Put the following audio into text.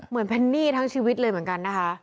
เหมือนเป็นหนี้ทั้งชีวิตเลยเหมือนกันนะคะ